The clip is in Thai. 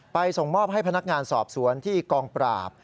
ส่งมอบให้พนักงานสอบสวนที่กองปราบ